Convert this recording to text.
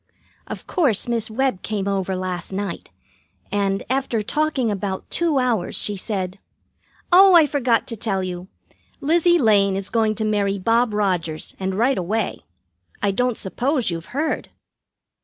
Of course, Miss Webb came over last night, and, after talking about two hours, she said: "Oh, I forgot to tell you. Lizzie Lane is going to marry Bob Rogers, and right away. I don't suppose you've heard."